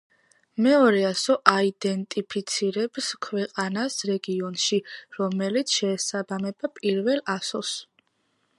მეორე ასო აიდენტიფიცირებს ქვეყანას რეგიონში, რომელიც შეესაბამება პირველ ასოს.